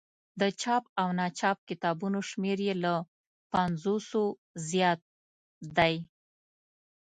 د چاپ او ناچاپ کتابونو شمېر یې له پنځوسو زیات دی.